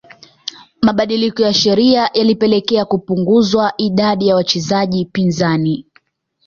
Mabadiliko ya sheria yalipelekea kupunguzwa idadi ya wachezaji pinzani